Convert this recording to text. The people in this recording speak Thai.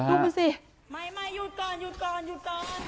ดูมันสิไม่ไม่หยุดก่อน